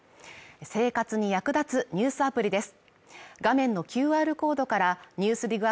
生活に役立つニュースアプリです。